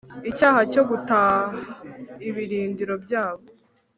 icyaha cyo guta ibirindiro byabo.